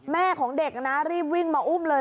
แม่ของเด็กนะรีบวิ่งมาอุ้มเลย